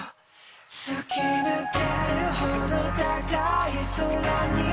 「突き抜けるほど高い空に」